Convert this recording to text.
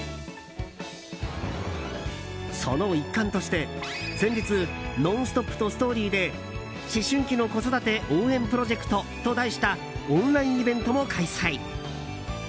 その一環として、先日「ノンストップ！」と「ＳＴＯＲＹ」で思春期の子育て応援プロジェクトと題したオンラインイベントも開催。